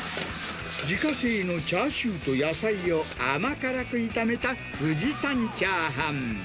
自家製のチャーシューと野菜を甘辛く炒めた富士山チャーハン。